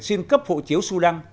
xin cấp hộ chiếu sudan